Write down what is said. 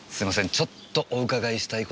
ちょっとお伺いしたい事が。